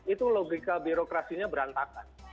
itu logika birokrasinya berantakan